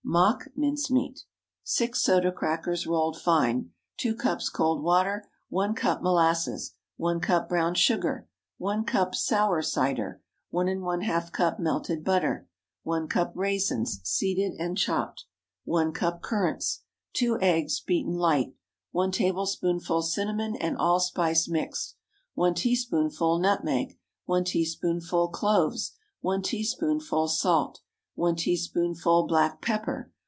MOCK MINCE MEAT. ✠ 6 soda crackers—rolled fine. 2 cups cold water. 1 cup molasses. 1 cup brown sugar. 1 cup sour cider. 1½ cup melted butter. 1 cup raisins—seeded and chopped. 1 cup currants. 2 eggs—beaten light. 1 tablespoonful cinnamon and allspice mixed. 1 teaspoonful nutmeg. 1 teaspoonful cloves. 1 teaspoonful salt. 1 teaspoonful black pepper.